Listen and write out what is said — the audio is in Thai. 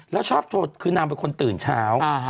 แล้วชอบโทรคือนางเป็นคนตื่นเช้า